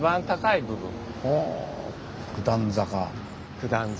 九段坂。